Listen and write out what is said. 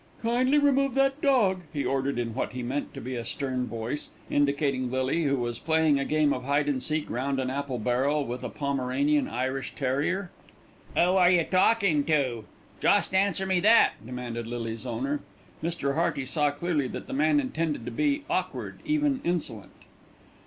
"Kindly remove that dog," he ordered in what he meant to be a stern voice, indicating Lily, who was playing a game of hide and seek round an apple barrel with a pomeranian Irish terrier. "'Oo are you talkin' to? Just answer me that," demanded Lily's owner. Mr. Hearty saw clearly that the man intended to be awkward, even insolent.